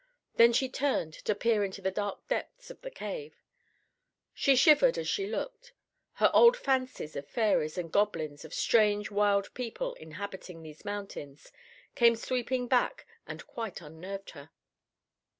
Then she turned to peer into the dark depths of the cave. She shivered as she looked. Her old fancies of fairies and goblins, of strange, wild people inhabiting these mountains, came sweeping back and quite unnerved her.